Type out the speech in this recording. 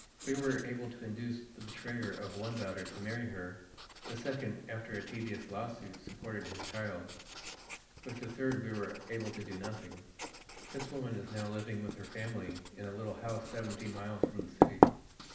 We were able to induce the betrayer of one daughter to marry her; the second, after a tedious lawsuit, supported his child; with the third we were able to do nothing. This woman is now living with her family in a little house seventeen miles from the city.